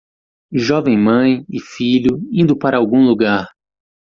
Jovem mãe e filho indo para algum lugar